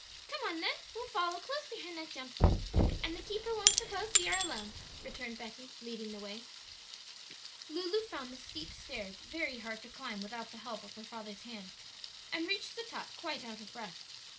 "Come on then; we'll follow close behind that gentleman, and the keeper won't suppose we are alone," returned Betty, leading the way. Lulu found the steep stairs very hard to climb without the help of her father's hand, and reached the top quite out of breath.